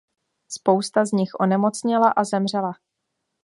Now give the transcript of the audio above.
Spousta z nich onemocněla a zemřela.